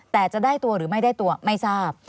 แต่จะได้ตัวหรือไม่ได้ตัวไม่ทราบ